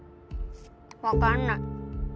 分かんない。